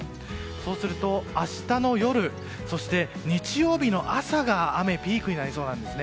そうすると明日の夜そして日曜日の朝が雨、ピークになりそうです。